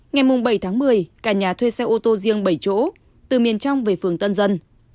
ngày bảy tháng một mươi cả nhà thuê xe ô tô riêng bảy chỗ từ miền trong về phường tân dân